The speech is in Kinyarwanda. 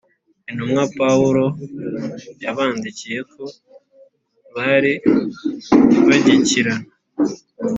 intumwa Pawulo yabandikiye ko bari bagikirana